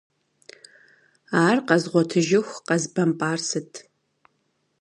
Ар къэзгъуэтыжыху къэзбэмпӏар сыт?!